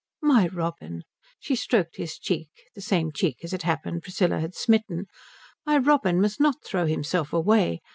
"My Robin" she stroked his cheek, the same cheek, as it happened, Priscilla had smitten "my Robin must not throw himself away.